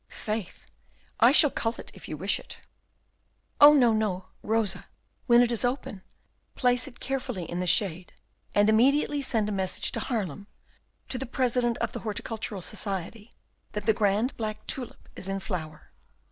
"Faith, I shall cull it, if you wish it." "Oh, no, no, Rosa! when it is open, place it carefully in the shade, and immediately send a message to Haarlem, to the President of the Horticultural Society, that the grand black tulip is in flower.